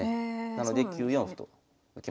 なので９四歩と受けます。